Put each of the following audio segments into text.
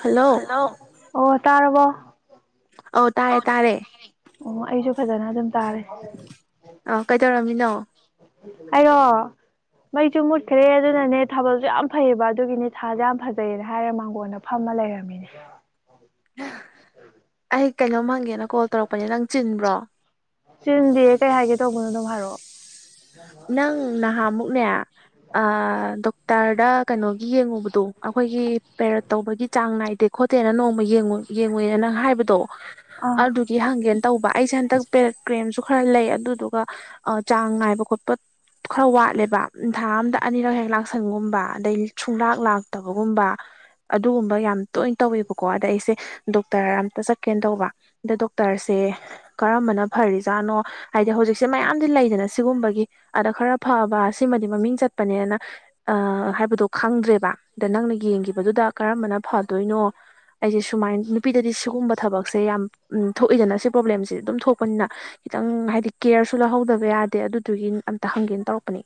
hello hello ꯑꯣ ꯇꯥꯔꯔꯕꯣ ꯑꯧ ꯇꯥꯔꯦ ꯇꯥꯔꯦ ꯑꯣ ꯑꯩꯁꯨ ꯐꯖꯅ ꯑꯗꯨꯝ ꯇꯥꯔꯦ ꯑ ꯀꯩꯗꯧꯔꯝꯃꯤꯅꯣ ꯑꯩꯔꯣ ꯃꯩꯁꯨ ꯃꯨꯠꯈ꯭ꯔꯦ ꯑꯗꯨꯅꯅꯦ ꯊꯥꯕꯜꯁꯨ ꯌꯥꯝ ꯐꯩꯑꯕ ꯑꯗꯨꯒꯤꯅꯦ ꯊꯥꯁꯨ ꯌꯥꯝ ꯐꯖꯩꯌꯦꯅ ꯍꯥꯏꯔ ꯃꯥꯡꯒꯣꯟꯅ ꯐꯝꯃ ꯂꯩꯔꯝꯒꯦ ꯑꯗꯨꯃꯤꯅꯦ ꯑꯩ ꯀꯩꯅꯣꯝ ꯍꯪꯒꯦꯅ ꯀꯣꯜ ꯇꯧꯔꯛꯄꯅꯦ ꯅꯪ ꯆꯤꯟꯕ꯭ꯔꯣ ꯆꯤꯟꯗꯦ ꯀꯩ ꯍꯥꯏꯒꯦ ꯇꯧꯕꯅꯣ ꯑꯗꯨꯝ ꯍꯥꯏꯔꯛꯑꯣ ꯅꯪ ꯅꯍꯥꯃꯨꯛꯅꯦ ꯗꯣꯛꯇꯔꯗ ꯀꯩꯅꯣꯒꯤ ꯌꯦꯡꯉꯨꯕꯗꯣ ꯑꯩꯈꯣꯏꯒꯤ ꯄꯦꯔꯠ ꯇꯧꯕꯒꯤ ꯆꯥꯡ ꯅꯥꯏꯗꯦ ꯈꯣꯠꯇꯦꯅ ꯅꯣꯡꯃ ꯌꯦꯡꯉꯨꯅ ꯅꯪ ꯍꯥꯏꯕꯗꯣ ꯑꯥ ꯑꯗꯨ ꯀ ꯍꯪꯒꯦꯅ ꯇꯧꯕ ꯑꯩꯁꯦ ꯍꯟꯇꯛ ꯄꯦꯔꯦꯠ ꯀ꯭ꯔꯦꯝꯁꯨ ꯈꯔ ꯂꯩ ꯑꯗꯨꯗꯨꯒ ꯆꯥꯡ ꯉꯥꯏꯕ ꯈꯣꯠꯄ ꯄꯠ ꯈꯔ ꯋꯥꯠꯂꯦꯕ ꯅꯤꯡ ꯊꯥ ꯑꯝꯗ ꯑꯅꯤꯔꯛ ꯍꯦꯛ ꯂꯥꯛꯁꯟꯒꯨꯝꯕ ꯑꯗꯩ ꯁꯨꯡꯂꯥꯛ ꯂꯥꯛꯇꯕꯒꯨꯝꯕ ꯑꯗꯨꯒꯨꯝꯕ ꯌꯥꯝ ꯇꯣꯏꯅ ꯇꯧꯋꯦꯕꯀꯣ ꯑꯗ ꯑꯩꯁꯦ ꯗꯣꯛꯇꯔ ꯑ ꯑꯃꯇ ꯆꯠꯀꯦꯅ ꯇꯧꯕ ꯑꯗ ꯗꯣꯛꯇꯔꯁꯦ ꯀꯔꯝꯕꯅ ꯐꯔꯤꯖꯥꯠꯅꯣ ꯍꯥꯏꯗꯤ ꯍꯧꯖꯤꯛꯁꯦ ꯃꯌꯥꯝꯗꯤ ꯂꯩꯗꯅ ꯁꯤꯒꯨꯝꯕꯒꯤ ꯑꯗ ꯈꯔ ꯐꯕ ꯁꯤꯃꯗꯤ ꯃꯃꯤꯡ ꯆꯠꯄꯅꯦꯅ ꯍꯥꯏꯕꯗꯣ ꯈꯪꯗ꯭ꯔꯦꯕ ꯑꯗ ꯅꯪꯅ ꯌꯦꯡꯕꯗꯨꯗ ꯀꯔꯝꯕꯅ ꯐꯗꯣꯏꯅꯣ ꯑꯩꯁꯦ ꯁꯨꯃꯥꯏ ꯅꯨꯄꯤꯗꯗꯤ ꯁꯤꯒꯨꯝꯕ ꯊꯕꯛꯁꯦ ꯌꯥꯝ ꯊꯣꯛꯏꯗꯅ ꯁꯤ ꯄ꯭ꯔꯣꯕ꯭ꯂꯦꯝꯁꯦ ꯑꯗꯨꯝ ꯊꯣꯛꯄꯅꯤꯅ ꯈꯤꯇꯪ ꯍꯥꯏꯗꯤ ꯀꯦꯌꯔꯁꯨ ꯂꯧꯍꯧꯗꯕ ꯌꯥꯗꯦ ꯑꯗꯨꯗꯨꯒꯤ ꯑꯝꯇ ꯍꯪꯒꯦꯅ ꯇꯧꯔꯛꯄꯅꯦ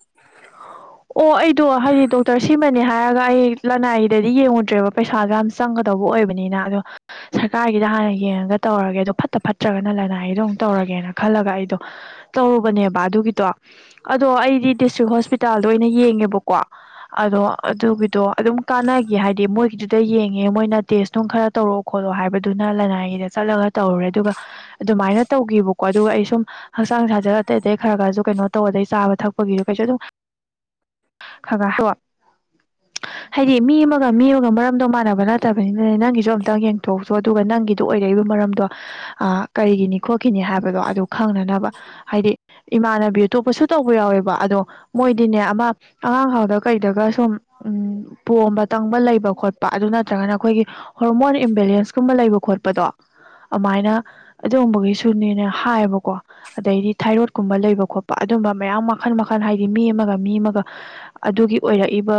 ꯑꯣ ꯑꯩꯗꯣ ꯍꯥꯏꯗꯤ ꯗꯣꯛꯇꯔ ꯁꯤꯃꯅꯦ ꯍꯥꯏꯔꯒ ꯑꯩ ꯂꯅꯥꯏꯗꯗꯤ ꯌꯦꯡꯉꯨꯗ꯭ꯔꯦꯕ ꯄꯩꯁꯥꯗꯣ ꯌꯥꯝ ꯆꯪꯒꯗꯧꯕ ꯑꯣꯏꯕꯅꯤꯅ ꯑꯗꯣ ꯁꯔꯀꯥꯔꯒꯤꯗ ꯍꯥꯟꯅ ꯌꯦꯡꯉꯒ ꯇꯧꯔꯒꯦ ꯑꯗꯣ ꯐꯠꯇ ꯐꯠꯇ꯭ꯔꯒꯅ ꯂꯅꯥꯏꯒꯤꯣ ꯑꯃꯨꯛ ꯇꯧꯔꯒꯦꯅ ꯈꯜꯂꯒ ꯑꯩꯗꯣ ꯇꯧꯔꯨꯕꯅꯦꯕ ꯑꯗꯨꯒꯤꯗꯣ ꯑꯗꯣ ꯑꯩꯗꯤ ꯗꯤꯁꯇ꯭ꯔꯤꯛ ꯍꯣꯁꯄꯤꯇꯥꯜꯗ ꯑꯣꯏꯅ ꯌꯦꯡꯉꯦꯕꯀꯣ ꯑꯗꯣ ꯑꯗꯨꯒꯤꯗꯣ ꯑꯗꯨꯝ ꯀꯥꯟꯅꯈꯤ ꯍꯥꯏꯗꯤ ꯃꯣꯏꯒꯤꯗꯨꯗ ꯌꯦꯡꯉꯦ ꯃꯣꯏꯅ ꯇꯦꯁ ꯅꯨꯡ ꯈꯔ ꯇꯧꯔꯛ ꯈꯣꯠꯂꯣ ꯍꯥꯏꯕꯗꯨꯅ ꯂꯅꯥꯏꯒꯤꯗ ꯆꯠꯂꯒ ꯇꯧꯔꯨꯔꯦ ꯑꯗꯨꯒ ꯑꯗꯨꯃꯥꯏꯅ ꯇꯧꯈꯤꯕꯀꯣ ꯑꯗꯨꯒ ꯑꯩ ꯁꯨꯝ ꯍꯛꯆꯥꯡ ꯁꯥꯖꯔ ꯑꯇꯩ ꯑꯗꯩ ꯈꯔ ꯈꯔꯁꯨ ꯀꯩꯅꯣ ꯇꯧꯕ ꯑꯗꯗꯒꯤ ꯆꯥꯕ ꯊꯛꯄꯒꯤꯁꯨ ꯀꯩꯁꯨ ꯑꯗꯨꯝ ꯈꯒ ꯍ [unintelligible] ꯍꯥꯏꯗꯤ ꯃꯤ ꯑꯃꯒ ꯃꯤ ꯑꯃꯒ ꯃꯔꯝꯗꯣ ꯃꯥꯟꯅꯕ ꯅꯠꯇꯕꯅꯤꯅꯅꯦ ꯅꯪꯒꯤꯁꯨ ꯑꯝꯇꯪ ꯌꯦꯡꯊꯣꯛꯎꯁꯨ ꯑꯗꯨꯒ ꯅꯪꯒꯤ ꯑꯗꯨ ꯑꯣꯏꯔꯛꯏꯕ ꯃꯔꯝꯗꯣ ꯑ ꯀꯔꯤꯒꯤꯅꯤ ꯈꯣꯠꯈꯤꯅꯤ ꯍꯥꯏꯕꯗꯣ ꯑꯗꯨ ꯈꯪꯅꯅꯕ ꯍꯥꯏꯗꯤ ꯏꯃꯥꯟꯅꯕꯤ ꯑꯇꯣꯞꯄꯁꯨ ꯇꯧꯕ ꯌꯥꯎꯋꯦꯕ ꯑꯗꯣ ꯃꯣꯏꯗꯤꯅꯦ ꯑꯃ ꯑꯉꯥꯡ ꯉꯥꯎꯗꯒ ꯀꯩꯗꯒ ꯁꯨꯝ ꯎ ꯄꯣꯝꯕ ꯇꯪꯕ ꯂꯩꯕ ꯈꯣꯠꯄ ꯑꯗꯨ ꯅꯠꯇ꯭ꯔꯒꯅ ꯑꯩꯈꯣꯏꯒꯤ ꯍꯣꯔꯃꯣꯟ ꯏꯝꯕꯦꯂꯦꯟꯁꯀꯨꯝꯕ ꯂꯩꯕ ꯈꯣꯠꯄꯗꯣ ꯑꯗꯨꯃꯥꯏꯅ ꯑꯗꯨꯒꯨꯝꯕꯒꯤꯁꯨꯅꯦꯅꯦ ꯍꯥꯏꯌꯦꯕꯀꯣ ꯑꯗꯩꯗꯤ ꯊꯥꯏꯔꯣꯠꯀꯨꯝꯕ ꯂꯩꯕ ꯈꯣꯠꯄ ꯑꯗꯨꯝꯕ ꯃꯌꯥꯝ ꯃꯈꯜ ꯃꯈꯜ ꯍꯥꯏꯗꯤ ꯃꯤ ꯑꯃꯒ ꯃꯤ ꯑꯃꯒ ꯑꯗꯨꯒꯤ ꯑꯣꯏꯔꯛꯏꯕ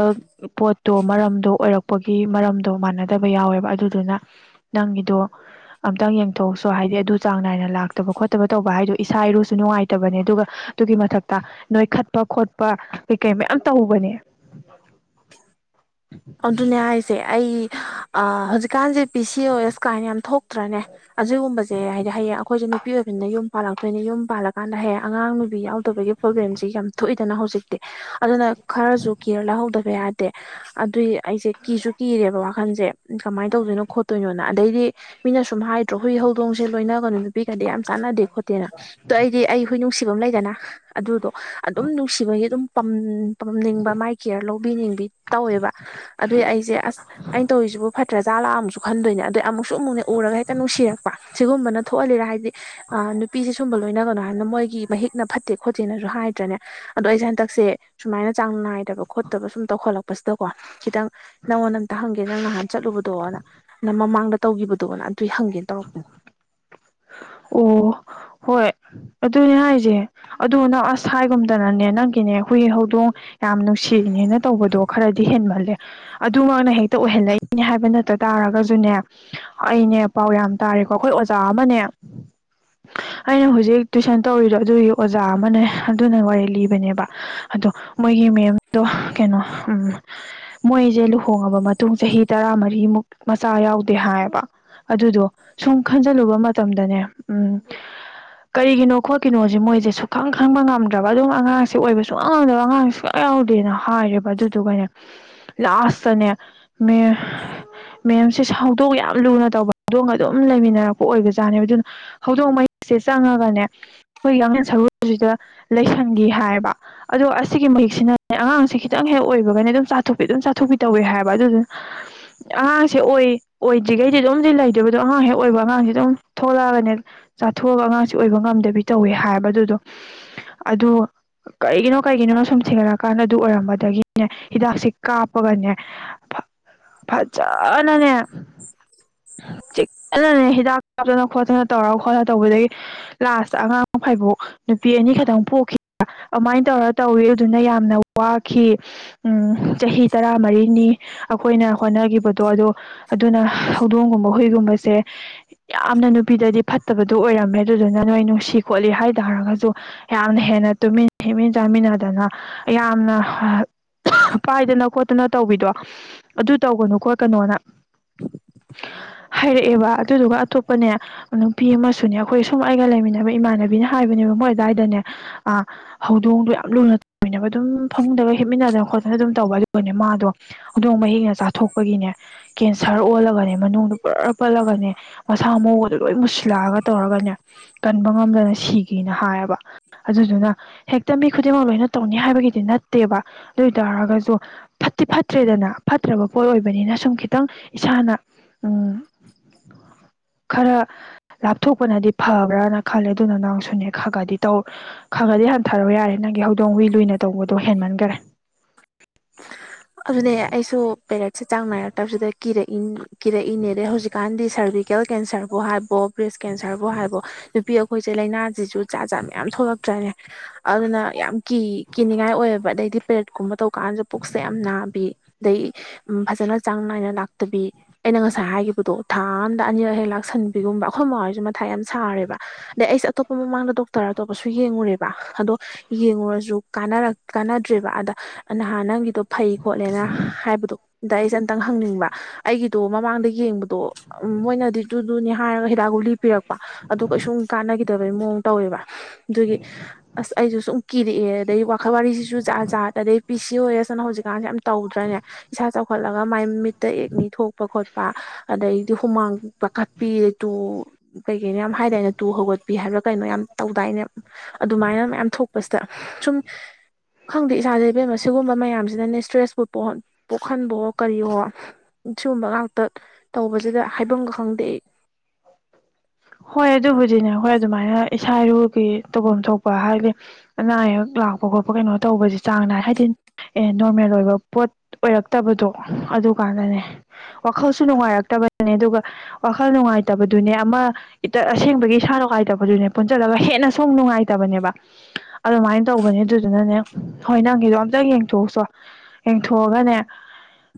ꯄꯣꯠꯇꯣ ꯃꯔꯝꯗꯣ ꯑꯣꯏꯔꯛꯄꯒꯤ ꯃꯔꯝꯗꯣ ꯃꯥꯟꯅꯗ ꯇꯕ ꯌꯥꯎꯋꯦꯕ ꯑꯗꯨꯗꯨꯅ ꯅꯪꯒꯤꯗꯣ ꯑꯝꯇꯪ ꯌꯦꯡꯊꯣꯛꯎꯁꯨ ꯍꯥꯏꯗꯤ ꯑꯗꯨ ꯆꯥꯡ ꯅꯥꯏꯅ ꯂꯥꯛꯇꯕ ꯈꯣꯠꯇꯕ ꯇꯧꯕ ꯍꯥꯏꯗꯣ ꯏꯁꯥ ꯏꯔꯨꯁꯨ ꯅꯨꯡꯉꯥꯏꯇꯕꯅꯦ ꯑꯗꯨꯒ ꯑꯗꯨꯒꯤ ꯃꯊꯛꯇ ꯅꯣꯏ ꯈꯠ ꯈꯠꯄ ꯈꯣꯠꯄ ꯀꯩ ꯀꯩ ꯃꯌꯥꯝ ꯇꯧꯕꯅꯦ ꯑꯗꯨꯅꯦ ꯍꯥꯏꯁꯦ ꯑꯩ ꯑ ꯍꯧꯖꯤꯛꯀꯥꯟꯁꯦ ꯄꯤ ꯁꯤ ꯑꯣ ꯑꯦꯁ ꯀꯥꯏꯅ ꯌꯥꯝ ꯊꯣꯛꯇ꯭ꯔꯅꯦ ꯑꯁꯤꯒꯨꯝꯕꯁꯦ ꯍꯥꯏꯗꯤ ꯍꯌꯦꯡ ꯑꯩꯈꯣꯏꯁꯨ ꯅꯨꯄꯤ ꯅꯨꯄꯤ ꯑꯣꯏꯕꯅꯤꯅ ꯌꯨꯝ ꯄꯥꯜꯂꯛꯇꯣꯏꯅꯤ ꯌꯨꯝ ꯄꯥꯜꯂꯀꯥꯟꯗ ꯍꯦꯛ ꯑꯉꯥꯡ ꯅꯨꯕꯤ ꯌꯥꯎꯗꯕꯒꯤ ꯄ꯭ꯔꯣꯕ꯭ꯂꯦꯝꯁꯤ ꯌꯥꯝ ꯊꯣꯛꯏꯗꯅ ꯍꯧꯖꯤꯛꯇꯤ ꯑꯗꯨꯅ ꯈꯔꯁꯨ ꯀꯤꯌꯔ ꯂꯧꯍꯧꯗꯕ ꯌꯥꯗꯦ ꯑꯗꯨꯏ ꯑꯩꯁꯦ ꯀꯤꯁꯨ ꯀꯤꯔꯦꯕ ꯋꯥꯈꯟꯁꯦ ꯀꯃꯥꯏꯅ ꯇꯧꯗꯣꯏꯅꯣ ꯈꯣꯠꯇꯣꯏꯅꯣ ꯅ ꯑꯗꯩꯗꯤ ꯃꯤꯅ ꯁꯨꯝ ꯍꯥꯏꯗ꯭ꯔꯣ ꯍꯨꯏ ꯍꯧꯗꯣꯡꯁꯦ ꯂꯣꯏꯅꯒꯅꯨ ꯅꯨꯄꯤꯒꯗꯤ ꯌꯥꯝ ꯆꯥꯟꯅꯗꯦ ꯈꯣꯠꯇꯦꯅ ꯇꯣ ꯑꯩꯗꯤ ꯑꯩ ꯍꯨꯏ ꯅꯨꯡꯁꯤꯕ ꯑꯃ ꯂꯩꯗꯅ ꯑꯗꯨꯗꯣ ꯑꯗꯨꯝ ꯅꯨꯡꯁꯤꯕꯒꯤ ꯑꯗꯨꯝ ꯄꯝꯅꯤꯡꯕ ꯃꯥꯏ ꯀꯦꯌꯔ ꯂꯧꯕꯤꯅꯤꯡꯕꯤ ꯇꯧꯋꯦꯕ ꯑꯗꯨꯏ ꯑꯩꯁꯦ ꯑꯁ ꯑꯩꯅ ꯇꯧꯔꯤꯁꯤꯕꯨ ꯐꯠꯇꯦ ꯇ꯭ꯔꯖꯥ ꯂꯥꯛꯑꯨꯁꯨ ꯈꯟꯗꯣꯏꯅꯦ ꯑꯗꯩ ꯑꯃꯨꯛꯁꯨ ꯑꯃꯨꯛꯅꯦ ꯎꯔꯒ ꯍꯦꯛꯇ ꯅꯨꯡꯁꯤꯔꯛꯄ ꯁꯤꯒꯨꯝꯕꯅ ꯊꯣꯛꯍꯜꯂꯤꯔ ꯍꯥꯏꯗꯤ ꯑ ꯅꯨꯄꯤꯁꯦ ꯁꯨꯝꯕ ꯂꯣꯏꯅꯒꯅꯣ ꯍꯥꯏꯕꯅꯤꯅ ꯃꯣꯏꯒꯤ ꯃꯍꯤꯛꯅ ꯐꯠꯇꯦ ꯈꯣꯠꯇꯦꯅꯁꯨ ꯍꯥꯏꯗ꯭ꯔꯦꯅꯦ ꯑꯗꯣ ꯑꯩꯁꯦ ꯍꯟꯗꯛꯁꯦ ꯁꯨꯃꯥꯏꯅ ꯆꯥꯡ ꯅꯥꯏꯗꯕ ꯈꯣꯠꯇꯕ ꯁꯨꯝ ꯇꯧꯈꯠꯂꯛꯄ ꯄꯁꯤꯗꯀꯣ ꯈꯤꯇꯪ ꯅꯪꯉꯣꯟꯗ ꯑꯝꯇ ꯍꯪꯒꯦ ꯅꯪ ꯅꯍꯥꯟ ꯆꯠꯂꯨꯕꯗꯣ ꯅꯪ ꯃꯃꯥꯡꯗ ꯇꯧꯈꯤꯕꯗꯣꯅ ꯑꯗꯨꯏ ꯍꯪꯒꯦ ꯇꯧꯔꯛꯄꯅꯦ ꯑꯣ ꯍꯣꯏ ꯑꯗꯨꯅꯦ ꯍꯥꯏꯁꯦ ꯑꯗꯨ ꯅꯪ ꯑꯁ ꯍꯥꯏꯒꯨꯝꯗꯅꯅꯦ ꯅꯪꯒꯤꯅꯦ ꯍꯨꯏ ꯍꯧꯗꯣꯡ ꯌꯥꯝ ꯅꯨꯡꯁꯤꯅꯦꯅ ꯇꯧꯕꯗꯣ ꯈꯔꯗꯤ ꯍꯦꯟꯃꯜꯂꯦ ꯑꯗꯨ ꯃꯛꯅ ꯍꯦꯛꯇ ꯑꯣꯏꯍꯜꯂꯛꯏꯅꯦ ꯍꯥꯏꯕ ꯅꯠꯇ ꯇꯥꯔꯒꯁꯨꯅꯦ ꯑꯩꯅꯦ ꯄꯥꯎ ꯌꯥꯝ ꯇꯥꯔꯦꯀꯣ ꯑꯩꯈꯣꯏ ꯑꯣꯖꯥ ꯑꯃꯅꯦ ꯑꯩꯅ ꯍꯧꯖꯤꯛ ꯇꯨꯏꯁꯟ ꯇꯧꯔꯤꯗꯣ ꯑꯗꯨꯒꯤ ꯑꯣꯖꯥ ꯑꯃꯅꯦ ꯑꯗꯨꯅ ꯋꯥꯔꯤ ꯂꯤꯕꯅꯦꯕ ꯑꯗꯣ ꯃꯣꯏꯒꯤ ꯃꯦꯝꯗꯣ ꯀꯩꯅꯣ ꯎꯝ ꯃꯣꯏꯁꯦ ꯂꯨꯍꯣꯡꯉꯕ ꯃꯇꯨꯡ ꯃꯇꯨꯡ ꯆꯍꯤ ꯇꯔꯥꯃꯔꯤꯃꯨꯛ ꯃꯆꯥ ꯌꯥꯎꯗꯦ ꯍꯥꯏꯌꯦꯕ ꯑꯗꯨꯗꯣ ꯁꯨꯝ ꯈꯟꯖꯤꯜꯂꯨꯕ ꯃꯇꯝ ꯃꯇꯝꯗꯅꯦ ꯎꯝ ꯀꯔꯤꯒꯤꯅꯣ ꯈꯣꯠꯀꯤꯅꯣꯁꯦ ꯃꯣꯏꯁꯦ ꯁꯨꯈꯪ ꯈꯪꯕ ꯉꯝꯗ꯭ꯔꯕ ꯑꯗꯨꯝ ꯑꯉꯥꯡꯁꯦ ꯑꯣꯏꯕ ꯁꯨꯡ ꯉꯝꯗꯕ ꯑꯉꯥꯡꯁꯦ ꯁꯨꯛꯌꯥꯎꯗꯦꯅ ꯍꯥꯏꯔꯦꯕ ꯑꯗꯨꯗꯨꯒꯅꯦ ꯂꯥꯁꯇꯅꯦ ꯃꯦ ꯃꯦꯝꯁꯦ ꯍꯧꯗꯣꯛ ꯌꯥꯝ ꯂꯨꯅ ꯇꯧꯕ ꯍꯧꯗꯣꯡꯒ ꯑꯗꯨꯝ ꯂꯩꯃꯤꯟꯅꯔꯛꯄ ꯑꯣꯏꯕꯁ ꯆꯥꯅꯦꯕ ꯑꯗꯨꯅ ꯍꯧꯗꯣꯡ ꯃꯍꯤꯛꯁꯦ ꯆꯪꯉꯒꯅꯦ ꯑꯩꯈꯣꯏ ꯌꯥꯂꯦꯟ ꯁꯔꯨꯁꯤꯗ ꯂꯩꯁꯟꯒꯤ ꯍꯥꯏꯕ ꯑꯗꯣ ꯑꯁꯤꯒꯤ ꯃꯍꯤꯛꯁꯤꯅꯅꯦ ꯑꯉꯥꯡꯁꯦ ꯈꯤꯇꯪ ꯍꯦꯛ ꯑꯣꯏꯕꯒꯅ ꯑꯗꯨꯝ ꯆꯥꯊꯣꯛꯄꯤ ꯑꯗꯨꯝ ꯆꯥꯊꯣꯛꯄꯤ ꯇꯧꯋꯤ ꯍꯥꯏꯕ ꯑꯗꯨꯗꯨꯅ ꯑꯉꯥꯡꯁꯦ ꯑꯣꯏ ꯑꯣꯏꯗ꯭ꯔꯤꯈꯩꯗꯤ ꯑꯗꯨꯝꯗꯤ ꯂꯩꯗꯕꯗꯣ ꯑꯉꯥꯡ ꯍꯦꯛ ꯑꯣꯏꯕ ꯑꯉꯥꯡꯁꯦ ꯑꯗꯨꯝ ꯊꯣꯛꯂꯛꯑꯒꯅꯦ ꯆꯥꯊꯣꯛꯑꯒ ꯑꯉꯥꯡꯁꯤ ꯑꯣꯏꯕ ꯉꯝꯗꯕꯤ ꯇꯧꯋꯦ ꯍꯥꯏꯕ ꯑꯗꯨꯗꯣ ꯑꯗꯨ ꯀꯩꯒꯤꯅꯣ ꯀꯩꯒꯤꯅꯣꯅ ꯁꯨꯝ ꯊꯦꯡꯒꯠꯂꯀꯥꯟꯗ ꯑꯗꯨ ꯑꯣꯏꯔꯝꯕꯗꯒꯤꯅꯦ ꯍꯤꯗꯥꯛꯁꯦ ꯀꯥꯞꯄꯒꯅꯦ ꯐ [unintelligible] ꯐꯖꯅꯅꯦ ꯆꯦꯛꯁꯤꯟꯅꯅꯦ ꯍꯤꯗꯥꯛ ꯀꯥꯞꯇꯅ ꯈꯣꯠꯇꯅ ꯇꯧꯔ ꯈꯣꯠꯂ ꯇꯧꯕꯗꯒꯤ ꯂꯥꯁꯇ ꯑꯉꯥꯡ ꯐꯩꯕꯣꯛ ꯅꯨꯄꯤ ꯑꯅꯤ ꯈꯛꯇꯪ ꯄꯣꯛꯈꯤꯕ ꯑꯗꯨꯃꯥꯏꯅ ꯇꯧꯔ ꯇꯧꯑꯦ ꯑꯗꯨꯅ ꯌꯥꯝꯅ ꯋꯥꯈꯤ ꯎꯝ ꯆꯍꯤ ꯇꯔꯥꯃꯔꯤꯅꯤ ꯑꯩꯈꯣꯏꯅ ꯍꯣꯠꯅꯈꯤꯕꯗꯣ ꯑꯗꯣ ꯑꯗꯨꯅ ꯍꯧꯗꯣꯡꯒꯨꯝꯕ ꯍꯨꯏꯒꯨꯝꯕꯁꯦ ꯌꯥꯝꯅ ꯅꯨꯄꯤꯗꯗꯤ ꯐꯠꯇꯕꯗꯨ ꯑꯣꯏꯔꯝꯃꯦ ꯑꯗꯨꯗꯨꯅ ꯅꯣꯏ ꯅꯨꯡꯁꯤ ꯈꯣꯠꯂꯤ ꯍꯥꯏ ꯇꯥꯔꯒꯁꯨ ꯌꯥꯝꯅ ꯍꯦꯟꯅ ꯇꯨꯃꯤꯟ ꯍꯤꯞꯃꯤꯟ ꯆꯥꯃꯤꯟꯅꯗꯅ ꯌꯥꯝꯅ ꯄꯥꯏꯗꯅ ꯈꯣꯠꯇꯅ ꯇꯧꯕꯤꯗꯣ ꯑꯗꯨ ꯇꯧꯒꯅꯨ ꯈꯣꯠꯀꯅꯣꯅ ꯍꯥꯏꯔꯛꯑꯦꯕ ꯑꯗꯨꯗꯨꯒ ꯑꯇꯣꯞꯄꯅꯦ ꯅꯨꯄꯤ ꯑꯃꯁꯨꯅꯦ ꯑꯩꯈꯣꯏ ꯁꯨꯝ ꯑꯩꯒ ꯂꯩꯃꯤꯟꯅꯕ ꯏꯃꯥꯟꯅꯕꯤꯅ ꯍꯥꯏꯕꯅꯦꯕ ꯃꯣꯏ ꯑꯗꯥꯏꯗꯅꯦ ꯑꯥ ꯍꯧꯗꯣꯡꯗꯣ ꯌꯥꯝ ꯂꯨꯅ ꯇꯧꯃꯤꯟꯅꯕ ꯑꯗꯨꯝ ꯐꯃꯨꯡꯗꯒ ꯍꯤꯞꯃꯤꯟꯅꯗꯅ ꯈꯣꯠꯇꯅ ꯑꯗꯨꯝ ꯇꯧꯕ ꯑꯗꯨꯒꯅꯦ ꯃꯥꯗꯣ ꯍꯧꯗꯣꯡ ꯃꯍꯤꯛꯅ ꯆꯥꯊꯣꯛꯄꯒꯤꯅꯦ ꯀꯦꯟꯁꯔ ꯑꯣꯜꯂꯒ ꯃꯅꯨꯡꯗꯨ ꯄ꯭ꯔꯥ ꯄꯠꯂꯒꯅꯦ ꯃꯁꯥ ꯃꯎꯗꯣ ꯂꯣꯏ ꯃꯨꯁꯤꯜꯂꯛꯑꯒ ꯇꯧꯔꯒꯅꯦ ꯀꯟꯕ ꯉꯝꯗꯅ ꯁꯤꯒꯤꯅ ꯍꯥꯏꯌꯦꯕ ꯑꯗꯨꯗꯨꯅ ꯍꯦꯛꯇ ꯃꯤ ꯈꯨꯗꯤꯡꯃꯛ ꯂꯣꯏꯅ ꯇꯧꯅꯤ ꯍꯥꯏꯕꯒꯤꯗꯤ ꯅꯠꯇꯦꯕ ꯑꯗꯨ ꯑꯣꯏ ꯇꯥꯔꯒꯁꯨ ꯐꯠꯇꯤ ꯐꯠꯇ꯭ꯔꯦꯗꯅ ꯐꯠꯇ꯭ꯔꯕ ꯄꯣꯠ ꯑꯣꯏꯕꯅꯤꯅ ꯁꯨꯝ ꯈꯤꯇꯪ ꯏꯁꯥꯅ ꯎꯝ ꯈꯔ ꯂꯥꯞꯊꯣꯛꯄꯅꯗꯤ ꯐꯕ꯭ꯔꯅ ꯈꯜꯂꯦ ꯑꯗꯨ ꯅꯪꯁꯨꯅꯦ ꯈꯒꯗꯤ ꯇꯧ ꯈꯒꯗꯤ ꯍꯟ [unintelligible] ꯌꯥꯔꯦ ꯅꯪꯒꯤ ꯍꯧꯗꯣꯡ ꯍꯨꯏꯏ ꯂꯨꯅ ꯇꯧꯕꯗꯣ ꯍꯦꯟꯃꯟꯈꯔꯦ ꯑꯗꯨꯅꯦ ꯑꯩꯁꯨ ꯄꯦꯔꯠꯁꯦ ꯆꯥꯡ ꯅꯥꯏꯔꯛꯇꯕꯁꯤꯗ ꯀꯤꯔꯛꯏꯅꯤ ꯀꯤꯔꯛꯏꯅꯦ ꯍꯧꯖꯤꯛꯀꯥꯟꯗꯤ ꯁꯥꯔꯚꯤꯀꯦꯜ ꯀꯦꯟꯁꯔꯕꯨ ꯍꯥꯏꯕꯣ ꯕ꯭ꯔꯦꯁ ꯀꯦꯟꯁꯔꯕꯨ ꯍꯥꯏꯕꯣ ꯅꯨꯄꯤ ꯑꯈꯣꯏ ꯑꯩꯈꯣꯏꯁꯦ ꯂꯥꯏꯅꯥ ꯁꯤꯁꯨ ꯖꯥꯠ ꯖꯥꯠ ꯃꯌꯥꯝ ꯊꯣꯛꯂꯛꯇ꯭ꯔꯅꯦ ꯑꯗꯨꯅ ꯌꯥꯝ ꯀꯤ ꯀꯤꯅꯤꯡꯉꯥꯏ ꯑꯣꯏꯌꯦꯕ ꯑꯗꯩꯗꯤ ꯄꯦꯔꯠꯀꯨꯝꯕ ꯇꯧꯕꯗꯣ ꯀꯥꯟꯗꯁꯨ ꯄꯨꯛꯁ ꯁꯦ ꯌꯥꯝ ꯅꯥꯕꯤ ꯑꯗꯩ ꯎꯝ ꯐꯖꯅ ꯆꯥꯡ ꯅꯥꯏꯅ ꯂꯥꯛꯇꯕꯤ ꯑꯩꯅ ꯉꯁꯥꯏ ꯍꯥꯏꯒꯤꯈꯤꯕꯗꯣ ꯊꯥ ꯑꯝꯗ ꯑꯅꯤꯔꯛ ꯍꯦꯛ ꯂꯥꯛꯁꯟꯕꯤꯒꯨꯝꯕ ꯑꯩꯈꯣꯏ ꯃꯥꯍꯣꯏꯁꯨ ꯃꯊꯥ ꯌꯥꯝ ꯁꯥꯔꯦꯕ ꯑꯗꯩ ꯑꯩꯁꯦ ꯑꯇꯣꯞꯄ ꯃꯃꯥꯡꯗ ꯗꯣꯛꯇꯔ ꯑꯇꯣꯞꯄꯁꯨ ꯌꯦꯡꯉꯨꯔꯦꯕ ꯑꯗꯣ ꯌꯦꯡꯉꯨꯔꯁꯨ ꯀꯥꯟꯅꯔꯛ ꯀꯥꯟꯅꯗ꯭ꯔꯦꯕ ꯑꯗ ꯅꯍꯥꯟ ꯅꯪꯒꯤꯗꯣ ꯐꯩ ꯈꯣꯠꯂꯦꯅ ꯍꯥꯏꯕꯗꯣ ꯑꯗꯩ ꯑꯩꯁꯦ ꯑꯝꯇꯪ ꯍꯪꯅꯤꯡꯕ ꯑꯩꯒꯤꯗꯣ ꯃꯃꯥꯡꯗ ꯌꯦꯡꯕꯗꯣ ꯎꯝ ꯃꯣꯏꯅꯗꯤ ꯗꯨꯗꯨꯅꯤ ꯍꯥꯏꯔꯒ ꯍꯤꯗꯥꯛ ꯒꯨꯂꯤ ꯄꯤꯔꯛꯄ ꯑꯗꯨ ꯀꯩꯁꯨꯝ ꯀꯥꯟꯅꯈꯤꯗꯕꯩ ꯃꯑꯣꯡ ꯇꯧꯋꯦꯕ ꯑꯗꯨꯒꯤ ꯑꯁ ꯑꯩꯁꯨ ꯁꯨꯝ ꯀꯤꯔꯛꯑꯦ ꯑꯗꯩ ꯋꯥꯈꯜ ꯋꯥꯔꯤꯁꯤꯁꯨ ꯖꯥꯠ ꯖꯥꯠ ꯑꯗꯩ ꯄꯤ ꯁꯤ ꯑꯣ ꯑꯦꯁ ꯑꯥꯅ ꯍꯧꯖꯤꯛꯀꯥꯟꯁꯦ ꯌꯥꯝ ꯇꯧꯗ꯭ꯔꯅꯦ ꯏꯁꯥ ꯆꯥꯎꯈꯠꯂꯒ ꯃꯥꯏ ꯃꯤꯠꯇ ꯑꯦꯛꯅꯤ ꯊꯣꯛꯄ ꯈꯣꯠꯄ ꯑꯗꯩꯗꯤ ꯍꯨꯃꯥꯡ ꯄꯥꯈꯠꯄꯤ ꯇꯨ ꯀꯩ ꯀꯩꯅꯣ ꯌꯥꯝ ꯍꯥꯏꯗꯥꯏꯅꯦ ꯇꯨ ꯍꯧꯒꯠꯄꯤ ꯍꯥꯏꯕ꯭ꯔꯥ ꯀꯩꯅꯣ ꯌꯥꯝ ꯇꯧꯗꯥꯏꯅꯦ ꯑꯗꯨꯃꯥꯏꯅ ꯃꯌꯥꯝ ꯊꯣꯛꯄꯁꯤꯗ ꯁꯨꯝ ꯈꯪꯗꯦ ꯏꯁꯥꯁꯦ ꯏꯕꯦꯝꯃ ꯁꯤꯒꯨꯝꯕ ꯃꯌꯥꯝꯁꯤꯅꯅꯦ ꯏꯁꯇ꯭ꯔꯦꯁꯄꯨ ꯄꯣꯛꯍꯟꯕꯣ ꯀꯔꯤ ꯍꯣ ꯁꯤꯒꯨꯝꯕ ꯉꯥꯛꯇ ꯇꯧꯕꯁꯤꯗ ꯍꯥꯏꯕꯝꯒ ꯈꯪꯗꯦ ꯑꯩ ꯍꯣꯏ ꯑꯗꯨꯕꯨꯗꯤꯅꯦ ꯑꯩꯈꯣꯏ ꯑꯗꯨꯃꯥꯏꯅ ꯏꯁꯥ ꯏꯔꯨꯒꯤ ꯇꯧꯐꯝ ꯊꯣꯛꯄ ꯍꯥꯏꯕꯗꯤ ꯑꯅꯥ ꯑꯌꯦꯛ ꯂꯥꯛꯄ ꯈꯣꯠꯄ ꯀꯩꯅꯣ ꯇꯧꯕꯁꯦ ꯆꯥꯡ ꯅꯥꯏ ꯍꯥꯏꯗꯤ ꯑꯦ ꯅꯣꯔꯃꯦꯜ ꯑꯣꯏꯕ ꯄꯣꯠ ꯑꯣꯏꯔꯛꯇꯕꯗꯣ ꯑꯗꯨꯀꯥꯟꯗꯅꯦ ꯋꯥꯈꯜꯁꯨ ꯅꯨꯡꯉꯥꯏꯔꯛꯇꯕꯅꯦ ꯑꯗꯨꯒ ꯋꯥꯈꯜ ꯅꯨꯡꯉꯥꯏꯇꯕꯗꯨꯅꯦ ꯑꯃ ꯏꯇ ꯑꯁꯦꯡꯕꯒꯤ ꯏꯁꯥ ꯅꯨꯡꯉꯥꯏꯇꯕꯁꯨꯅꯦ ꯄꯨꯟꯁꯤꯜꯂꯒ ꯍꯦꯟꯅꯁꯨ ꯑꯃꯨꯛ ꯅꯨꯡꯉꯥꯏꯇꯕꯅꯦꯕ ꯑꯗꯨꯃꯥꯏꯟ ꯇꯧꯕꯅꯦ ꯑꯗꯨꯗꯨꯅꯅꯦ ꯍꯣꯏ ꯅꯪꯒꯤꯗꯣ ꯑꯝꯇꯪ ꯌꯦꯡꯊꯣꯛꯎꯁꯣ ꯌꯦꯡꯊꯣꯛꯑꯒꯅꯦ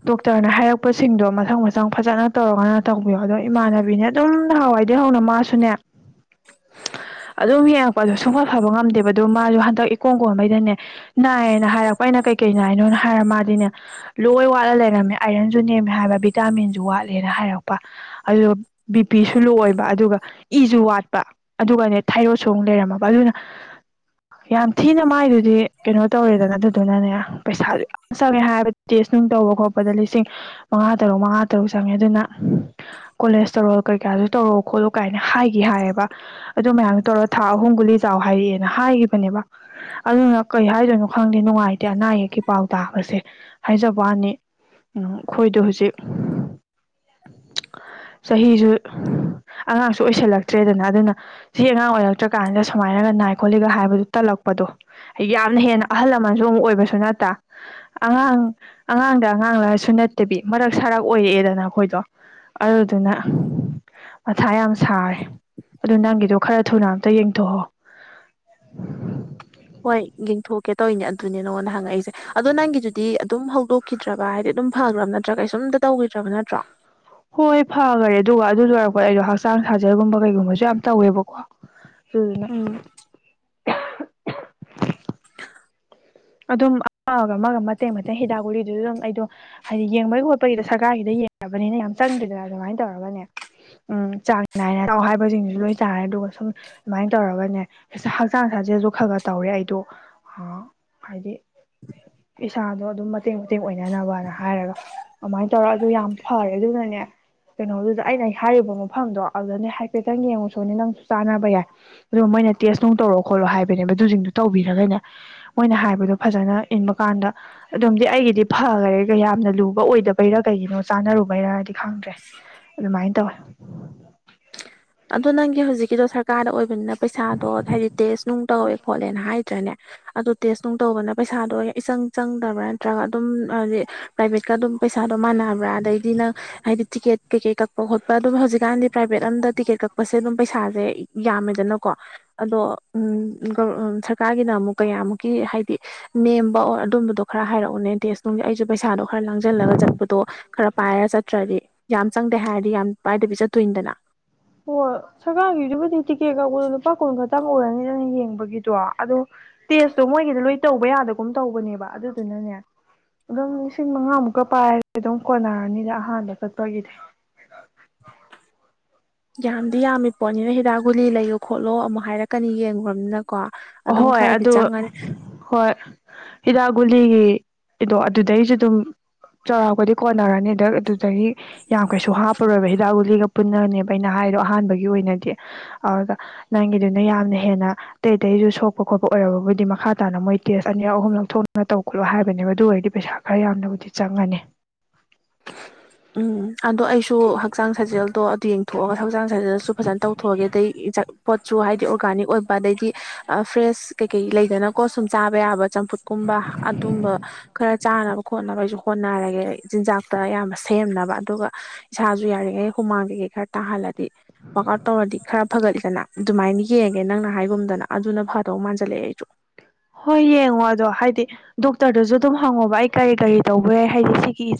ꯗꯣꯛꯇꯔꯅ ꯍꯥꯏꯔꯛꯄꯁꯤꯡꯗꯣ ꯃꯊꯪ ꯃꯊꯪ ꯐꯖꯟꯅ ꯇꯧꯔꯒꯅ ꯇꯧꯕꯤꯌꯣ ꯑꯗꯣ ꯏꯃꯥꯟꯅꯕꯤꯅꯦ ꯑꯗꯨꯝ ꯅꯍꯥꯟꯋꯥꯏ ꯗꯩꯍꯧꯅ ꯃꯥꯁꯨꯅꯦ ꯑꯗꯨꯝ ꯌꯦꯡꯉꯛꯄꯥꯗ ꯁꯨꯡꯐ ꯐꯥꯕ ꯉꯝꯗꯦꯕ ꯑꯗꯨ ꯃꯥꯖꯨ ꯍꯟꯗꯛ ꯏꯀꯣꯟ ꯀꯣꯟꯕꯩꯗꯅꯦ ꯅꯥꯏꯌꯦꯅ ꯍꯥꯏꯔꯛꯄ ꯑꯩꯅ ꯀꯩꯀꯩ ꯅꯥꯏꯅꯣꯅ ꯍꯥꯏꯔ ꯃꯥꯗꯤꯅꯦ ꯂꯣꯏ ꯋꯥꯠꯂꯥ ꯂꯩꯔꯝꯃꯦ ꯑꯥꯏꯔꯟꯖꯨ ꯅꯦꯝꯃꯦ ꯍꯥꯏꯕ ꯚꯤꯇꯥꯃꯤꯟꯖꯨ ꯋꯥꯠꯂꯦꯅ ꯍꯥꯏꯔꯛꯄ ꯑꯗꯨꯗꯨꯞ ꯕꯤ ꯄꯤꯁꯨ ꯂꯣ ꯑꯣꯏ ꯕ ꯑꯗꯨꯒ ꯏꯖꯨ ꯋꯥꯠꯄ ꯑꯗꯨꯒꯅꯦ ꯊꯥꯏꯔꯣꯠꯁꯨ ꯑꯃꯨꯛ ꯂꯩꯔꯝꯃꯕ ꯑꯗꯨꯅ [inaudible] ꯌꯥꯝ ꯊꯤꯅ ꯃꯥꯏꯗꯨꯗꯤ ꯀꯩꯅꯣ ꯇꯧꯔꯦꯗꯅ ꯑꯗꯨꯗꯨꯅꯅꯦ ꯄꯩꯁꯥꯖꯨ ꯌꯥꯝ ꯆꯪꯉꯦ ꯍꯥꯏꯌꯦꯕ ꯇꯦꯁ ꯅꯨꯡ ꯇꯧꯕ ꯈꯣꯠꯄꯗ ꯂꯤꯁꯤꯡ ꯃꯉꯥ ꯇꯔꯨꯛ ꯃꯉꯥ ꯇꯔꯨꯛ ꯆꯪꯉꯦ ꯑꯗꯨꯅ ꯀꯣꯂꯦꯖꯇꯣꯔꯣꯜ ꯀꯩꯀꯥꯖꯨ ꯇꯧꯔꯛꯎ ꯈꯣꯠꯂꯨ ꯀꯥꯏꯅ ꯍꯥꯏꯒꯤ ꯍꯥꯏꯌꯦꯕ ꯑꯗꯨ ꯃꯌꯥꯝꯗꯣ ꯇꯧꯔ ꯊꯥ ꯑꯍꯨꯝ ꯒꯨꯂꯤ ꯆꯥꯎ ꯍꯥꯏꯔꯛꯑꯦꯅ ꯍꯥꯏꯒꯤꯕꯅꯦꯕ ꯑꯗꯨꯅ ꯀꯩ ꯍꯥꯏꯗꯣꯏꯅꯣ ꯈꯪꯗꯦ ꯅꯨꯡꯉꯥꯏꯇꯦ ꯑꯅꯥ ꯑꯌꯦꯛꯀꯤ ꯄꯥꯎ ꯇꯥꯕꯖꯦ ꯍꯥꯏꯖꯕꯋꯥꯅꯤ ꯎꯝ ꯑꯈꯣꯏꯗꯨ ꯍꯨꯖꯤꯛ ꯆꯍꯤꯖꯨ ꯑꯉꯥꯡꯁꯨ ꯑꯣꯏꯁꯜꯂꯛꯇ꯭ꯔꯦꯗꯅ ꯑꯗꯨꯅ ꯆꯍꯤ ꯑꯉꯥꯡ ꯑꯣꯏꯔꯛꯇ꯭ꯔꯀꯥꯟꯖꯤꯗ ꯁꯨꯃꯥꯏꯅꯒ ꯅꯥꯏ ꯈꯣꯠꯂꯤꯒ ꯍꯥꯏꯕꯗꯨ ꯇꯜꯂꯛꯄꯗꯣ ꯌꯥꯝꯅ ꯍꯦꯟꯅ ꯑꯍꯜ ꯂꯃꯟꯖꯨ ꯑꯃꯨꯛ ꯑꯣꯏꯕꯁꯨ ꯅꯠꯇꯥ ꯑꯉꯥꯡ ꯑꯉꯥꯡꯗ ꯑꯉꯥꯡꯂꯁꯨ ꯅꯠꯇꯥꯕꯤ ꯃꯔꯛ ꯁꯥꯔꯛ ꯑꯣꯏꯔꯛꯑꯦꯗꯅ ꯑꯈꯣꯏꯗꯣ ꯑꯗꯨꯗꯨꯅ ꯃꯊꯥ ꯌꯥꯝ ꯁꯥꯔꯦ ꯑꯗꯨ ꯅꯪꯒꯤꯗꯣ ꯈꯔ ꯊꯨꯅ ꯑꯝꯇ ꯌꯦꯡꯊꯣꯛꯍꯧ ꯍꯣꯏ ꯌꯦꯡꯊꯣꯛꯀꯦ ꯇꯧꯋꯤꯅꯦ ꯑꯗꯨꯅꯦ ꯅꯉꯣꯟꯗ ꯍꯪꯉꯛꯏꯖꯦ ꯑꯗꯣ ꯅꯪꯒꯤꯗꯨꯗꯤ ꯑꯗꯨꯝ ꯍꯧꯗꯣꯛꯈꯤꯗ꯭ꯔꯕ ꯍꯥꯏꯗꯤ ꯑꯗꯨꯝ ꯐꯒ꯭ꯔꯕ ꯅꯠꯇ꯭ꯔꯥ ꯀꯩꯁꯨꯝꯇ ꯇꯧꯒꯤꯗ꯭ꯔꯕ ꯅꯠꯇ꯭ꯔꯣ ꯍꯣꯏ ꯐꯒꯔꯦ ꯑꯗꯨꯒ ꯑꯗꯨ ꯂꯣꯏꯔꯛꯄꯥꯗ ꯑꯩꯗꯣ ꯍꯛꯆꯥꯡ ꯁꯥꯖꯦꯜꯒꯨꯝꯕ ꯀꯩꯒꯨꯝꯕꯖꯨ ꯌꯥꯝ ꯇꯧꯋꯦꯕꯀꯣ ꯑꯗꯨꯗꯨꯅ ꯎꯝ ꯑꯗꯨꯝ ꯑꯃꯒ ꯑꯃꯒ ꯃꯇꯦꯡ ꯃꯇꯦꯡ ꯍꯤꯗꯥꯛ ꯒꯨꯂꯤꯗꯨꯖꯨ ꯑꯗꯨꯝ ꯑꯩꯗꯣ ꯍꯥꯏꯗꯤ ꯌꯦꯡꯕꯒꯤ ꯈꯣꯠꯄꯒꯤꯗꯣ ꯁꯔꯀꯥꯔꯒꯤꯗ ꯌꯦꯡꯒꯕꯅꯤꯅ ꯌꯥꯝ ꯆꯪꯗ꯭ꯔꯦꯗꯅ ꯑꯗꯨꯃꯥꯏꯟ ꯇꯧꯔꯒꯅꯦ ꯎꯝ ꯆꯥꯡ ꯅꯥꯏꯅ ꯆꯥꯎ ꯍꯥꯏꯕꯖꯤꯡꯗꯨꯖꯨ ꯂꯣꯏ ꯆꯥꯔꯦ ꯑꯗꯨꯒ ꯁꯨꯝ ꯑꯗꯨꯃꯥꯏꯟ ꯇꯧꯔꯒꯅꯦ ꯍꯤꯁ ꯍꯛꯆꯥꯡ ꯁꯥꯖꯦꯜꯖꯨ ꯈꯔ ꯈꯔ ꯇꯧꯔꯦ ꯑꯩꯗꯣ ꯑꯥ ꯍꯥꯏꯗꯤ ꯏꯁꯥꯗꯣ ꯑꯗꯨꯝ ꯃꯇꯦꯡ ꯃꯇꯦꯡ ꯑꯣꯏꯅꯅꯕꯅ ꯍꯥꯏꯔꯒ ꯑꯗꯨꯃꯥꯏꯟ ꯇꯧꯔ ꯑꯗꯨ ꯌꯥꯝ ꯐꯔꯦ ꯑꯗꯨꯅꯅꯦ ꯀꯩꯅꯣꯗꯨꯗ ꯑꯩꯅ ꯍꯥꯏꯔꯤꯕ ꯃꯐꯝꯗꯣ ꯑꯗꯨꯗꯅꯦ ꯍꯥꯏꯐꯦꯠꯇꯪ ꯌꯦꯡꯉꯨꯁꯣꯅꯦ ꯅꯪꯁꯨ ꯆꯥꯟꯅꯕ ꯌꯥꯏ ꯑꯗꯨꯒ ꯃꯣꯏꯅ ꯇꯦꯁ ꯅꯨꯡ ꯇꯧꯔꯣ ꯈꯣꯠꯂꯣ ꯍꯥꯏꯕꯅꯦꯕ ꯑꯗꯨꯖꯤꯡꯗꯨ ꯇꯧꯕꯤꯔꯒꯅꯦ ꯃꯣꯏꯅ ꯍꯥꯏꯕꯗꯣ ꯐꯖꯅ ꯏꯟꯕꯀꯥꯟꯗ ꯑꯗꯨꯝꯗꯤ ꯑꯩꯒꯤꯗꯤ ꯐꯒꯔꯦꯒ ꯌꯥꯝꯅ ꯂꯨꯕ ꯑꯣꯏꯗꯕꯩꯔꯥ ꯀꯩꯒꯤꯅꯣ ꯆꯥꯅꯔꯨꯕꯩꯔꯗꯤ ꯈꯪꯗ꯭ꯔꯦ ꯑꯗꯨꯃꯥꯏꯟ ꯇꯧꯋꯦ ꯑꯗꯣ ꯅꯪꯒꯤ ꯍꯧꯖꯤꯛꯀꯤꯗꯣ ꯁꯔꯀꯥꯔꯗ ꯑꯣꯏꯕꯅꯤꯅ ꯄꯩꯁꯥꯗꯣ ꯍꯥꯏꯗꯤ ꯇꯦꯁ ꯅꯨꯡ ꯇꯧꯋꯦ ꯈꯣꯠꯂꯦꯅ ꯍꯥꯏꯗ꯭ꯔꯅꯦ ꯑꯗꯨ ꯇꯦꯁ ꯅꯨꯡ ꯇꯧꯕꯅ ꯄꯩꯁꯥꯗꯣ ꯏꯆꯪ ꯆꯪꯗꯕ꯭ꯔꯥ ꯅꯠꯇ꯭ꯔꯒ ꯑꯗꯨꯝ ꯑꯗꯤ ꯄ꯭ꯔꯥꯏꯚꯦꯠꯀ ꯑꯗꯨꯝ ꯄꯩꯁꯥꯗꯣ ꯃꯥꯟꯅꯕ꯭ꯔꯥ ꯑꯗꯩꯗꯤ ꯅꯪ ꯍꯥꯏꯗꯤ ꯇꯤꯛꯀꯦꯠ ꯀꯩ ꯀꯩ ꯀꯛꯄ ꯈꯣꯠꯄ ꯑꯗꯨꯝ ꯍꯧꯖꯤꯛꯀꯥꯟꯗꯤ ꯄ꯭ꯔꯥꯏꯚꯦꯠ ꯑꯝꯗ ꯇꯤꯀꯦꯠ ꯀꯛꯄꯁꯦ ꯑꯗꯨꯝ ꯄꯩꯁꯥꯖꯦ ꯌꯥꯝꯃꯦꯗꯅꯀꯣ ꯑꯗꯣ ꯎꯝ ꯒꯣꯔ ꯁꯔꯀꯥꯔꯒꯤꯅ ꯑꯃꯨꯛ ꯀꯌꯥꯃꯨꯛꯀꯤ ꯍꯥꯏꯗꯤ ꯅꯦꯝꯕ ꯑꯣꯔ ꯑꯗꯨꯝꯕꯗꯣ ꯈꯔ ꯍꯥꯏꯔꯛꯎꯅꯦ ꯇꯦꯁ ꯅꯨꯡꯒꯤ ꯑꯩꯖꯨ ꯄꯩꯁꯥꯗꯣ ꯈꯔ ꯂꯥꯡꯖꯜꯂꯒ ꯆꯠꯄꯗꯣ ꯈꯔ ꯄꯥꯏꯔ ꯆꯠꯇ꯭ꯔꯗꯤ ꯌꯥꯝ ꯆꯪꯗꯦ ꯍꯥꯏꯔꯗꯤ ꯌꯥꯝ ꯄꯥꯏꯗꯕꯤ ꯆꯠꯇꯣꯏꯅꯤꯗꯅ ꯍꯣꯏ ꯁꯔꯀꯥꯔꯒꯤꯗꯨꯕꯨꯗꯤ ꯇꯤꯛꯀꯦꯠ ꯀꯛꯄꯗ ꯂꯨꯄꯥ ꯀꯨꯟ ꯈꯛꯇꯪ ꯑꯣꯏꯔꯅꯤꯗꯅ ꯌꯦꯡꯕꯒꯤꯗꯣ ꯑꯗꯣ ꯇꯦꯁꯇꯣ ꯃꯣꯏꯒꯤꯗ ꯂꯣꯏ ꯇꯧꯕ ꯌꯥꯗꯒꯨꯝ ꯇꯧꯕꯅꯦꯕ ꯑꯗꯨꯗꯨꯅꯅꯦ ꯑꯗꯨꯝ ꯂꯤꯁꯤꯡ ꯃꯉꯥꯃꯨꯛꯀ ꯄꯥꯏꯔꯗꯤ ꯑꯗꯨꯝ ꯀꯣꯟꯅꯔꯅꯤꯗ ꯑꯍꯥꯟꯕ ꯆꯠꯄꯒꯤꯗꯤ ꯌꯥꯝꯗꯤ ꯌꯥꯝꯃꯤ ꯄꯣꯠꯅꯤꯅ ꯍꯤꯗꯥꯛ ꯒꯨꯂꯤ ꯂꯩꯌꯣ ꯈꯣꯠꯂꯣ ꯑꯃꯨꯛ ꯍꯥꯏꯔꯛꯀꯅꯤ ꯌꯦꯡꯉꯨꯔꯥꯃꯤꯅ ꯀꯣ ꯑꯗꯨꯝ ꯑꯍꯣꯏ ꯈꯔꯗꯤ ꯑꯗꯨ ꯆꯪꯉꯥꯅꯤ ꯍꯣꯏ ꯍꯤꯗꯥꯛ ꯒꯨꯂꯤ ꯗꯣ ꯑꯗꯨꯗꯩꯖꯨ ꯑꯗꯨꯝ ꯆꯥꯎꯔꯥꯛꯄꯗꯤ ꯀꯣꯟꯅꯔꯅꯤꯗ ꯑꯗꯨꯗꯒꯤ ꯌꯥꯝ ꯀꯩꯁꯨ ꯍꯥꯞꯄꯔꯣꯏꯕ ꯍꯤꯗꯥꯛ ꯒꯨꯂꯤꯒ ꯄꯨꯟꯅꯒꯅꯦꯕ ꯑꯩꯅ ꯍꯥꯏꯗꯣ ꯑꯍꯥꯟꯕꯒꯤ ꯑꯣꯏꯅꯗꯤ ꯑꯗꯨꯒ ꯅꯪꯒꯤꯗꯨꯅ ꯌꯥꯝꯅ ꯍꯦꯟꯅ ꯇꯦꯠ ꯑꯇꯩꯁꯨ ꯁꯣꯛꯄ ꯈꯣꯠꯄ ꯑꯣꯏꯔꯕꯕꯨꯗꯤ ꯃꯈꯥ ꯇꯥꯅ ꯃꯣꯏ ꯇꯦꯁ ꯑꯅꯤꯔꯛ ꯑꯍꯨꯝ ꯂꯧꯊꯣꯛꯅ ꯇꯧ ꯈꯣꯠꯂꯣ ꯍꯥꯏꯕꯅꯦꯕ ꯑꯗꯨ ꯑꯣꯏꯔꯗꯤ ꯄꯩꯁꯥ ꯈꯔ ꯌꯥꯝꯅꯕꯨꯗꯤ ꯆꯪꯉꯅꯤ ꯎꯝ ꯑꯗꯣ ꯑꯩꯁꯨ ꯍꯛꯆꯥꯡ ꯁꯥꯖꯦꯜꯗꯣ ꯑꯗꯨ ꯌꯦꯡꯊꯣꯛꯑꯒ ꯍꯛꯆꯥꯡ ꯁꯥꯖꯦꯜꯁꯨ ꯐꯖꯅ ꯇꯧꯊꯣꯛꯑꯒꯦ ꯑꯗꯩ [unintelligible] ꯄꯣꯠꯁꯨꯨ ꯍꯥꯏꯗꯤ ꯑꯣꯔꯒꯥꯅꯤꯛ ꯑꯣꯏꯕ ꯑꯗꯩꯗꯤ ꯑꯥ ꯐ꯭ꯔꯦꯁ ꯀꯩ ꯀꯩ ꯂꯩꯗꯅꯀꯣ ꯁꯨꯝ ꯆꯥꯕ ꯌꯥꯕ ꯆꯝꯐꯨꯠ ꯀꯨꯝꯕ ꯑꯗꯨꯝꯕ ꯈꯔ ꯆꯥꯅꯕ ꯈꯣꯠꯅꯕ ꯑꯩꯁꯨ ꯍꯣꯠꯅꯔꯒꯦ ꯆꯤꯟꯖꯥꯛ ꯇ ꯑꯥꯌꯥꯝꯕ ꯁꯦꯝꯅꯕ ꯑꯗꯨꯒ ꯏꯁꯥꯁꯨ ꯌꯥꯔꯤꯉꯩ ꯍꯨꯃꯥꯡ ꯀꯩꯀꯩ ꯈꯔ ꯇꯥꯍꯜꯂ ꯗꯤ ꯋꯥꯛ ꯑꯥꯎꯠ ꯇꯧꯔꯗꯤ ꯈꯔ ꯐꯒꯠꯂꯤꯗꯅ ꯑꯗꯨꯃꯥꯏꯅ ꯌꯦꯡꯒꯦ ꯅꯪꯅ ꯍꯥꯏꯒꯨꯝꯗꯅ ꯑꯗꯨꯅ ꯐꯗꯧ ꯃꯥꯟꯖꯜꯂꯛꯑꯦ ꯑꯩꯁꯨ ꯍꯣꯏ ꯌꯦꯡꯉꯣ ꯑꯗꯣ ꯍꯥꯏꯗꯤ ꯗꯣꯛꯇꯔꯗꯨꯁꯨ ꯑꯗꯨꯝ ꯍꯪꯉꯣꯕ ꯑꯩ ꯀꯔꯤ ꯀꯔꯤ ꯇꯧꯕ ꯌꯥꯏ ꯍꯥꯏꯗꯤ ꯁꯤꯒꯤ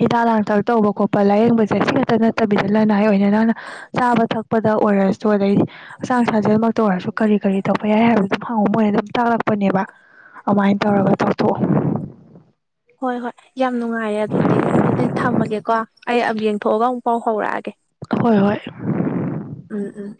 ꯍꯤꯗꯥꯛ ꯂꯥꯡꯊꯛ ꯇꯧꯕ ꯈꯣꯠꯄ ꯂꯥꯏꯌꯦꯡꯕꯁꯦ ꯑꯁꯤ ꯈꯛꯇ ꯅꯠꯇꯕꯤꯗ ꯂꯅꯥꯏ ꯑꯣꯏꯅ ꯅꯪꯅ ꯆꯥꯕ ꯊꯛꯄꯗ ꯑꯣꯏꯔꯁꯨꯁꯨ ꯑꯗꯩ ꯍꯛꯆꯥꯡ ꯁꯥꯖꯦꯜꯃꯛꯇ ꯑꯣꯏꯔꯁꯨ ꯀꯔꯤ ꯀꯔꯤ ꯇꯧꯕ ꯌꯥꯏ ꯍꯥꯏꯕꯗꯨ ꯑꯗꯨꯝ ꯍꯪꯉꯧ ꯃꯣꯏ ꯑꯗꯨꯝ ꯇꯥꯛꯂꯛꯄꯅꯦꯕ ꯑꯃꯥꯏꯅ ꯇꯧꯔꯒ ꯇꯧꯊꯣꯛꯑꯣ ꯍꯣꯏ ꯍꯣꯏ ꯌꯥꯝ ꯅꯨꯡꯉꯥꯏꯔꯦ ꯑꯗꯨꯗꯤ ꯑꯗꯨꯗꯤ ꯊꯝꯃꯒꯦꯀꯣ ꯑꯩ ꯑꯃ ꯌꯦꯡꯊꯣꯛꯑꯒ ꯑꯃꯨꯛ ꯐꯥꯎ ꯍꯧꯔꯛꯑꯒꯦ ꯍꯣꯏ ꯍꯣꯏ ꯎꯝ ꯎꯝ